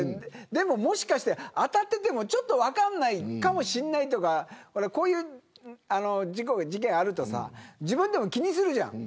でも、もしかして当たっていてもちょっと分からないかもしれないとかこういう事故、事件があるとさ自分でも、気にするじゃん。